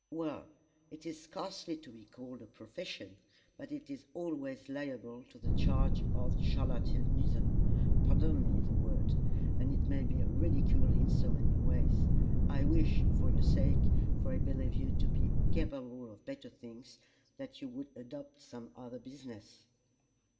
"Well it is scarcely to be called a 'profession,' but it is always liable to the charge of charlatanism: pardon me the word. And it may be ridiculed in so many ways. I wish, for your sake for I believe you to be capable of better things that you would adopt some other business."